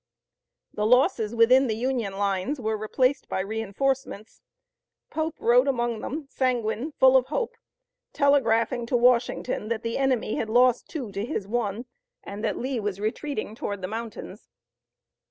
The losses within the Union lines were replaced by reinforcements. Pope rode among them, sanguine, full of hope, telegraphing to Washington that the enemy had lost two to his one, and that Lee was retreating toward the mountains.